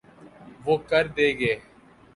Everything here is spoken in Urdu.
وہ کر دیں گے۔